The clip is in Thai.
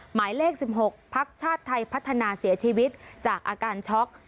หมายเลข๑๖พักชาติไทยพัฒนาเสียชีวิตจากอาการช็อก